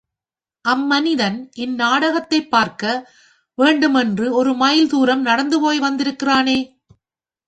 அம் மனிதன் இந்நாடகத்தைப் பார்க்க வேண்டுமென்று ஒரு மைல் தூரம் நடந்து போய் வந்திருக்கிறானே!